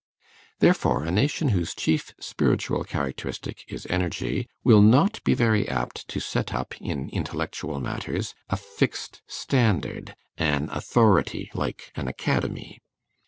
Therefore a nation whose chief spiritual characteristic is energy will not be very apt to set up, in intellectual matters, a fixed standard, an authority, like an academy.